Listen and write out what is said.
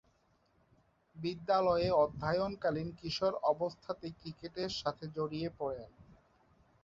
বিদ্যালয়ে অধ্যয়নকালীন কিশোর অবস্থাতেই ক্রিকেটের সাথে জড়িয়ে পড়েন।